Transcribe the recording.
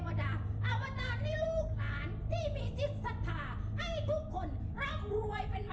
เป็นผู้สร้างขุนงามความดีในพระมุทธศาสนา